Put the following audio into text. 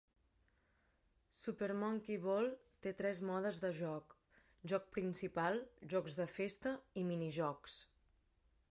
"Super Monkey Ball" té tres modes de joc: joc principal, jocs de festa i mini-jocs.